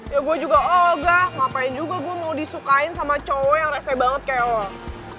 ya gue juga ogah ngapain juga gue mau disukain sama cowok yang rese banget kayak lo